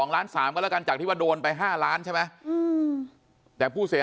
ล้าน๓ก็แล้วกันจากที่ว่าโดนไป๕ล้านใช่ไหมแต่ผู้เสีย